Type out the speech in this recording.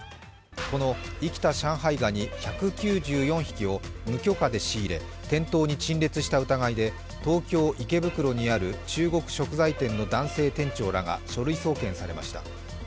この生きた上海ガニ１９４匹を無許可で仕入れ、店頭に陳列した疑いで東京池袋にある中国食材店の男性店長らが書類送検されました。